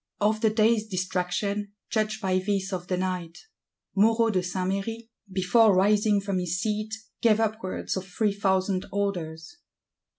Of the day's distraction judge by this of the night: Moreau de Saint Méry, "before rising from his seat, gave upwards of three thousand orders."